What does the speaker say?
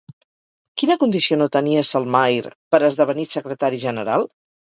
Quina condició no tenia Selmayr per esdevenir secretari general?